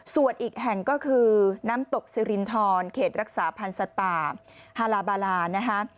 ส่วนอีกแห่งก็คือน้ำตกสิรินทรเขตรักษาพันธ์สัตว์ป่าฮาลาบาลานะคะ